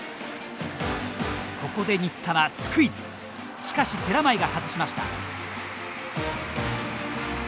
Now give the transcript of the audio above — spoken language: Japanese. ここで新田はスクイズしかし、寺前が外しました。